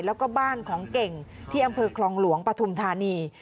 แล้วก็บ้านของเก่งที่อำเภอคลองหลวงปฐุมธานี